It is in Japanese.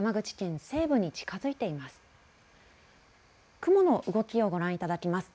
雲の動きをご覧いただきます。